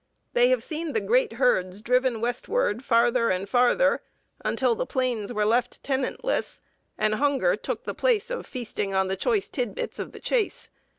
They have seen the great herds driven westward farther and farther, until the plains were left tenantless, and hunger took the place of feasting on the choice tid bits of the chase.